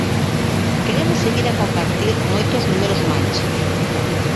Queremos seguir a compartir moitos números máis.